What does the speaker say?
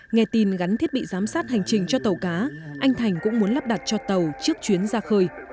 nghe tin gắn thiết bị giám sát hành trình cho tàu cá anh thành cũng muốn lắp đặt cho tàu trước chuyến ra khơi